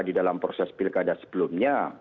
di dalam proses pilkada sebelumnya